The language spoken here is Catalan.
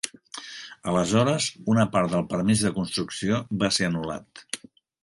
Aleshores una part del permís de construcció va ser anul·lat.